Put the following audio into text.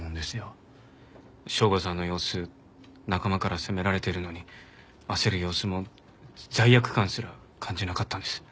省吾さんの様子仲間から責められてるのに焦る様子も罪悪感すら感じなかったんです。